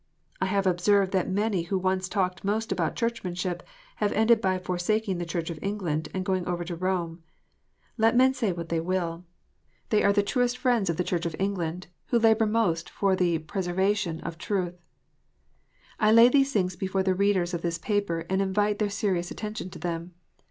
I have observed that many who once talked most about Churchmanship have ended by forsaking the Church of England, and going over to Rome. Let men say what they will. They are the truest 378 KNOTS UNTIED. friends of the Church of England who labour must for the preservation of truth. I lay these things before the readers of this paper, and invite their serious attention to them.